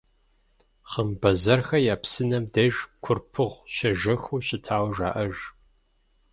«Хъымбэзэрхэ я псынэм» деж Курпыгъу щежэхыу щытауэ жаӏэж.